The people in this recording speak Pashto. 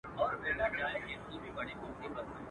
ما یي پر غاړه آتڼونه غوښتل.